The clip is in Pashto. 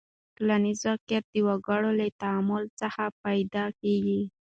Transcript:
ټولنیز واقعیت د وګړو له تعامل څخه پیدا کیږي.